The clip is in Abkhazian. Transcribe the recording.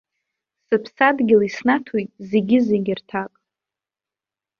Сыԥсадгьыл иснаҭоит зегьы-зегьы рҭак.